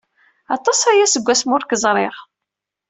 Aṭas aya seg wasmi ur k-ẓriɣ.